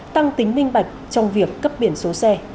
tăng tính minh bạch trong việc cấp biển số xe